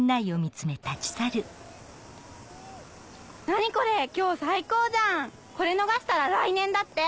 何これ今日最高じゃんこれ逃したら来年だって。